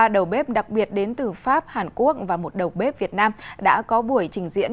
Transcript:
ba đầu bếp đặc biệt đến từ pháp hàn quốc và một đầu bếp việt nam đã có buổi trình diễn